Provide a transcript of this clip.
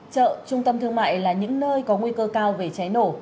chợ trung tâm thương mại là những nơi có nguy cơ cao về cháy nổ